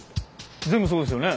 全部そうですよね。